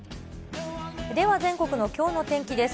では、全国のきょうの天気です。